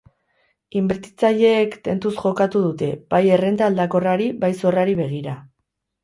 Inbertitzaileek tentuz jokatu dute, bai errenta aldakorrari bai zorrari begira.